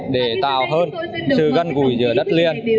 để tạo hơn sự gần gũi giữa đất liền